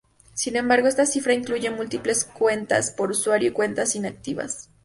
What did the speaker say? Sin embargo, esta cifra incluye múltiples cuentas por usuario y cuentas inactivas.